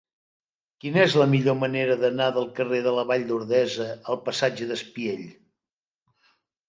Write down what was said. Quina és la millor manera d'anar del carrer de la Vall d'Ordesa al passatge d'Espiell?